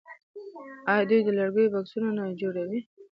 آیا دوی د لرګیو بکسونه نه جوړوي؟